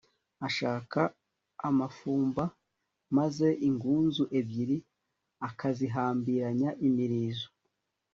ashaka amafumba, maze ingunzu ebyiri akazihambiranya imirizo